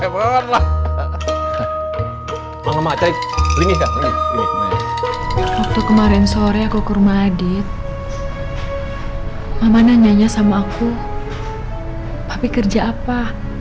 waktu kemarin sore aku ke rumah adit mama nanyanya sama aku tapi kerja apa